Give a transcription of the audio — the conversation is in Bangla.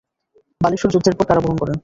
বালেশ্বর যুদ্ধের পর কারাবরণ করেন।